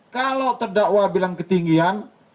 kalau terdakwa bilang ketinggian